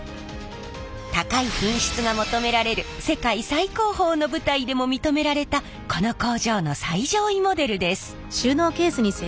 高い品質が求められる世界最高峰の舞台でも認められたこの工場の最上位モデルです。